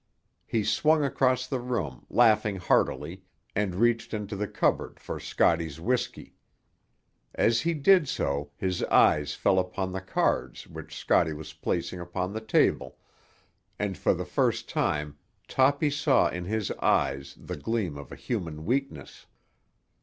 He swung across the room, laughing heartily, and reached into the cupboard for Scotty's whiskey. As he did so his eyes fell upon the cards which Scotty was placing upon the table, and for the first time Toppy saw in his eyes the gleam of a human weakness.